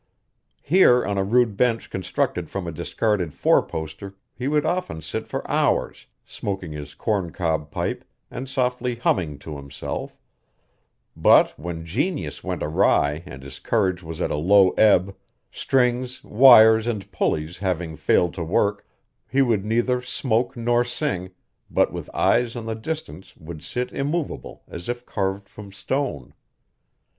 Here on a rude bench constructed from a discarded four poster he would often sit for hours, smoking his corncob pipe and softly humming to himself; but when genius went awry and his courage was at a low ebb, strings, wires, and pulleys having failed to work, he would neither smoke nor sing, but with eyes on the distance would sit immovable as if carved from stone.